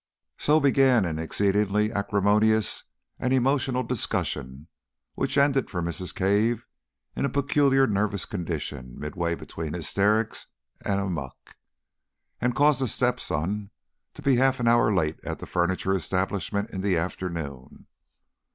So began an exceedingly acrimonious and emotional discussion, which ended for Mrs. Cave in a peculiar nervous condition midway between hysterics and amuck, and caused the step son to be half an hour late at the furniture establishment in the afternoon.